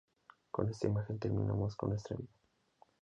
Con esta imagen terminamos con nuestra vida".